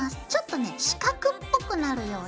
四角っぽくなるように。